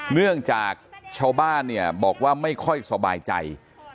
เนื่องจากชาวบ้านเนี่ยบอกว่าไม่ค่อยสบายใจ